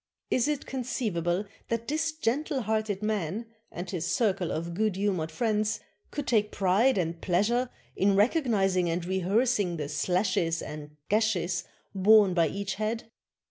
Is it conceivable that this gentle hearted man, and his circle of good humored friends, could take pride and pleasure in recog nizing and rehearsing the slashes and gashes borne by each head?